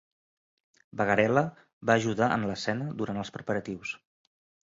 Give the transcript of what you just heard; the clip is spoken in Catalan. Bagarella va ajudar en l'escena durant els preparatius.